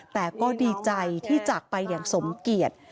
แต่ก็ดีใจที่จากไปอย่างสมเกียจ